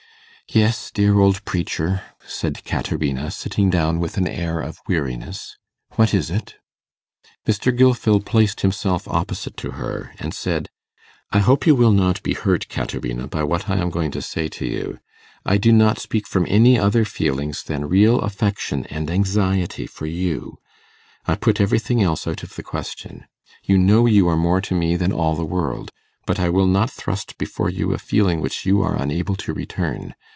'Yes, dear old preacher,' said Caterina, sitting down with an air of weariness; 'what is it?' Mr. Gilfil placed himself opposite to her, and said, 'I hope you will not be hurt, Caterina, by what I am going to say to you. I do not speak from any other feelings than real affection and anxiety for you. I put everything else out of the question. You know you are more to me than all the world; but I will not thrust before you a feeling which you are unable to return.